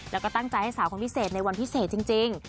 แล้วก็ตั้งใจให้สาวคนพิเศษในวันพิเศษจริง